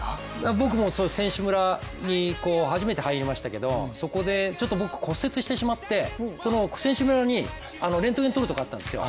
僕も選手村に初めて入りましたけど、そこでちょっと僕、骨折してしまって、その選手村にレントゲンを撮るところがあったんですよ。